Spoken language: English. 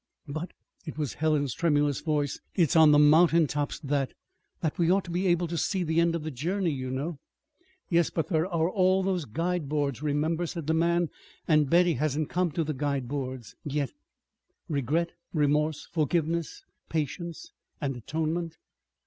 "But" it was Helen's tremulous voice "it's on the mountain tops that that we ought to be able to see the end of the journey, you know." "Yes; but there are all those guideboards, remember," said the man, "and Betty hasn't come to the guideboards yet regret remorse forgiveness patience, and atonement."